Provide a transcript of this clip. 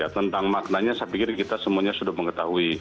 tentang maknanya saya pikir kita semuanya sudah mengetahui